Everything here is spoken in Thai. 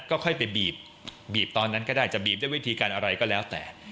ก็ค่อยไปบีบตอนนั้นก็ได้จะบีบด้วยวิธีการอะไรก็แล้วแต่